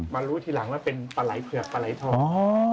มารู้ที่หลังว่าเป็นปลายเผือกปลายทอง